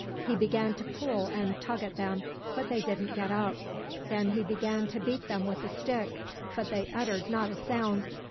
He began to pull and tug at them, but they didn't get up. Then he began to beat them with a stick, but they uttered not a sound.